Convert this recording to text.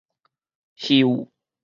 溴